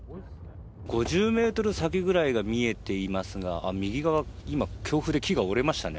５０ｍ先ぐらいが見えていますが右側、強風で木が折れましたね。